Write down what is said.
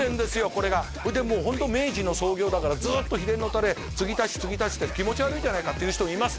これがほいでもうホント明治の創業だからずっと秘伝のタレ継ぎ足し継ぎ足しで気持ち悪いじゃないかっていう人もいます